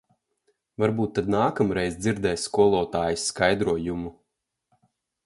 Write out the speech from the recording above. Varbūt tad nākamreiz dzirdēs skolotājas skaidrojumu.